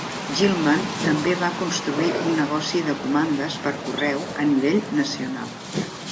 Gilman també va construir un negoci de comandes per correu a nivell nacional.